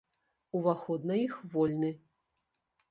Уваход на іх вольны.